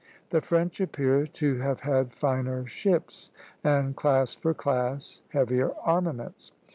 The French appear to have had finer ships, and, class for class, heavier armaments.